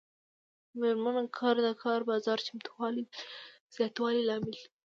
د میرمنو کار د کار بازار چمتووالي زیاتولو لامل دی.